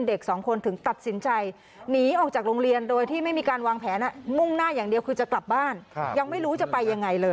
เด็กสองคนถึงตัดสินใจ